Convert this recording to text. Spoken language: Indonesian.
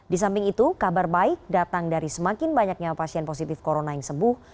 di samping itu kabar baik datang dari semakin banyaknya pasien positif corona yang sembuh